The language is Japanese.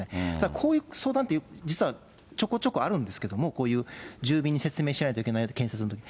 こういう相談って、実はちょこちょこあるんですけど、こういう住民に説明しないといけないよと、建設のとき。